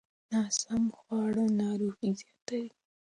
ناسم خواړه ناروغۍ زیاتوي.